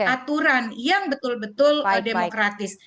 aturan yang betul betul demokratis